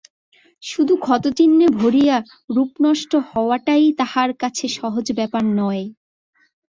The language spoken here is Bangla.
শুধু ক্ষতচিহ্নে ভরিয়া রূপনষ্ট হওয়াটাও তাহার কাছে সহজ ব্যাপার নয়।